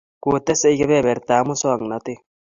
kotesei kebebertab musongnotet